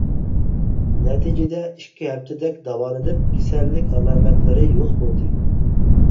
نەتىجىدە ئىككى ھەپتىدەك داۋالىنىپ كېسەللىك ئالامەتلىرى يوق بولدى.